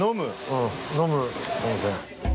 うん飲む温泉。